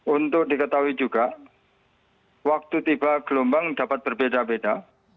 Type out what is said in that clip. untuk diketahui juga waktu tiba gelombang dapat berbeda beda